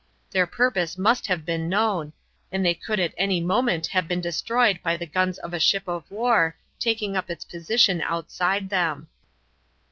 Their purpose must have been known, and they could at any moment have been destroyed by the guns of a ship of war taking up its position outside them.